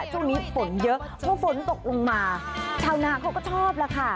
ช่วงนี้ฝนเยอะพอฝนตกลงมาชาวนาเขาก็ชอบแล้วค่ะ